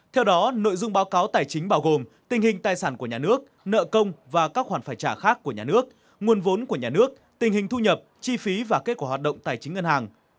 theo đó nội dung báo cáo tài chính bao gồm tình hình tài sản của nhà nước nợ công và các khoản phải trả khác của nhà nước nguồn vốn của nhà nước tình hình thu nhập chi phí và kết quả hoạt động tài chính ngân hàng